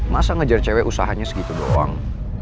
masa ngejar cewek usahanya segitu doang